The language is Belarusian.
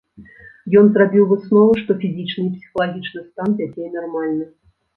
Ён зрабіў высновы, што фізічны і псіхалагічны стан дзяцей нармальны.